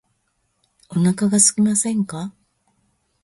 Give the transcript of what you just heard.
お腹がすきませんか